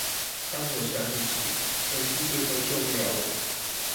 當我想你時，全世界都救不了我